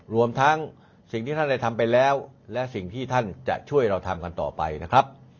รวมทั้งสิ่งที่ท่านได้ทำไปแล้วและสิ่งที่ท่านจะช่วยเราทำกันต่อไปนะครับ